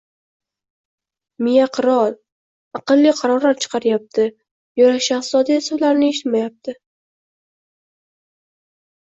Miyaqirol, aqlli qarorlar chiqaryapti, yurakshahzoda esa ularni eshitmayapti